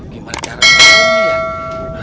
gimana caranya ya